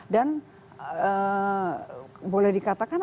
dan boleh dikatakan